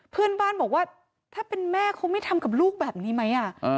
เพื่อนบ้านบอกว่าถ้าเป็นแม่เขาไม่ทำกับลูกแบบนี้ไหม